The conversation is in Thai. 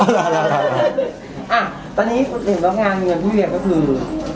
อ่ะตอนนี้เห็นว่างานพี่เวียงก็คือ